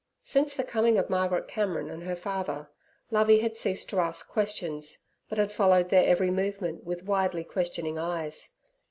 Since the coming of Margaret Cameron and her father, Lovey had ceased to ask questions, but had followed their every movement with widely questioning eyes.